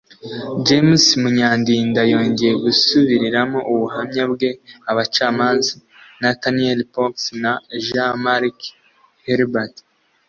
James Munyandinda yongeye gusubiriramo ubuhamya bwe abacamanza Nathalie Poux na Jean-Marc Herbault